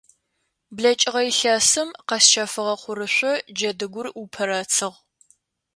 БлэкӀыгъэ илъэсым къэсщэфыгъэ хъурышъо джэдыгур упэрэцыгъ.